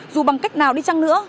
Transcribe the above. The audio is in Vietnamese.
dù bằng cách nào đi chăng nữa